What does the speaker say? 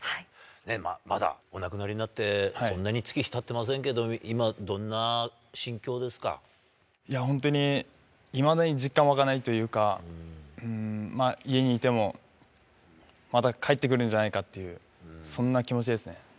まだお亡くなりになってそんなに月日たっていませんけれども、いや、本当にいまだに実感湧かないというか、家にいても、まだ帰ってくるんじゃないかっていう、そんな気持ちですね。